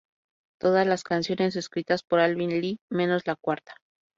Todas las canciones escritas por Alvin Lee, menos la cuarta.